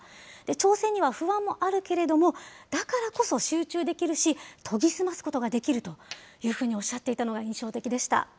挑戦には不安もあるけれど、だからこそ集中できるし、研ぎ澄ますことができるというふうにおっしゃっていたのが印象的でした。